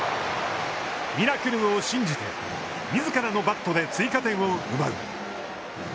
ミラクルを信じて、みずからのバットで追加点を奪う。